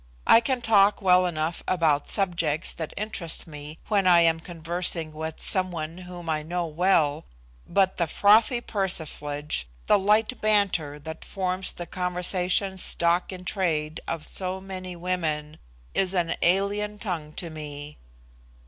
I can talk well enough about subjects that interest me when I am conversing with some one whom I know well, but the frothy persiflage, the light banter that forms the conversation's stock in trade of so many women, is an alien tongue to me.